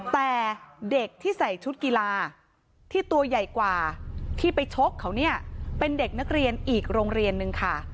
แต่เด็กที่ใส่ชุดกีฬาที่ตัวใหญ่กว่าที่ไปชกเขาเนี่ยเป็นเด็กนักเรียนอีกโรงเรียนนึงค่ะ